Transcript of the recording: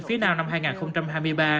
phía nào năm hai nghìn hai mươi ba